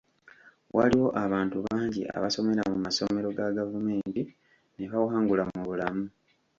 Waliwo abantu bangi abasomera mu masomero ga gavumenti ne bawangula mu bulamu.